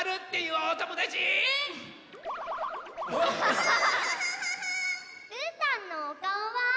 うーたんのおかおは。